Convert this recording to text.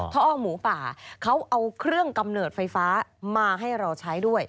ท่อหมูป่าเขาเอาเครื่องกำเนิดไฟฟ้ามาให้เราใช้ด้วย